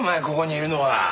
ここにいるのは。